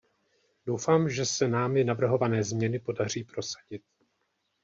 Doufám, že se námi navrhované změny podaří prosadit.